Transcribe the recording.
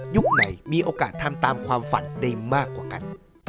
ไหนมีโอกาสทำตามความฝันได้มากกว่ากัน